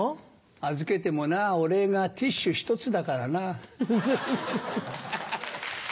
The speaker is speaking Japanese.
預けてもなお礼がティッシュ１つだからなぁ。